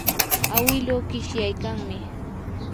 awiluu qishyaykanmi.